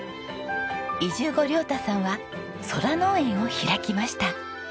移住後亮太さんはＳＯＲＡ農園を開きました。